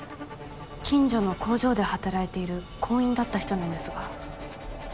近所の工場で働いている工員だった人なんですが。